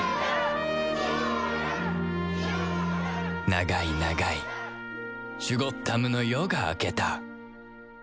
長い長いシュゴッダムの夜が明けた